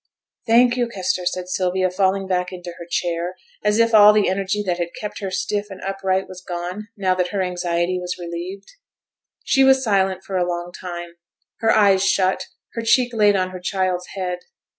'Thank yo', Kester,' said Sylvia, falling back in her chair, as if all the energy that had kept her stiff and upright was gone now that her anxiety was relieved. She was silent for a long time; her eyes shut, her cheek laid on her child's head.